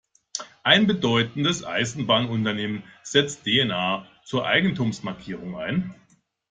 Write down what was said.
Ein bedeutendes Eisenbahnunternehmen setzt D N A zur Eigentumsmarkierung ein.